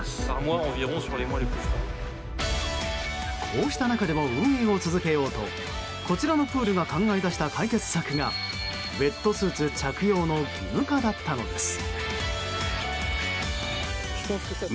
こうした中でも運営を続けようとこちらのプールが考え出した解決策がウェットスーツ着用の義務化だったのです。